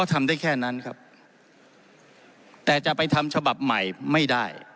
ทำได้แค่นั้นครับแต่จะไปทำฉบับใหม่ไม่ได้